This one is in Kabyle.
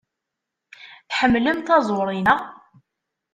Tḥemmlem taẓuri, naɣ?